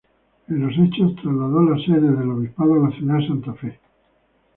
En los hechos, trasladó la sede del obispado a la ciudad de Santa Fe.